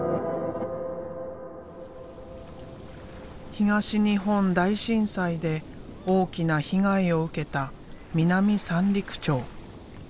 東日本大震災で大きな被害を受けた南三陸町。